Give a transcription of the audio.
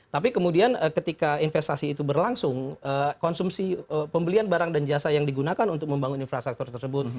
tapi kemudian ketika investasi itu berlangsung konsumsi pembelian barang dan jasa yang digunakan untuk membangun infrastruktur tersebut